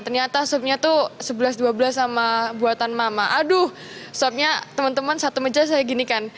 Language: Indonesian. ternyata supnya tuh sebelas dua belas sama buatan mama aduh supnya teman teman satu meja saya ginikan